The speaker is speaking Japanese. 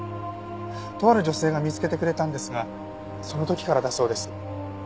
とある女性が見つけてくれたんですがその時からだそうです。